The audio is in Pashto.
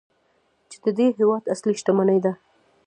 چې د دې هیواد اصلي شتمني ده.